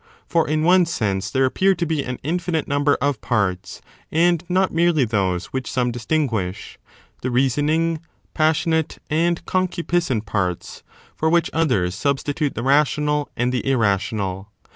For in one sense the soul. there appear to be an infinite number of parts and not merely those which some distinguish, the reasoning, passionate and concupiscent parts, for which others substitute the rational and the irrational.